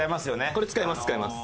これ使います使います。